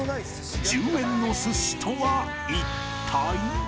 １０円の寿司とは一体。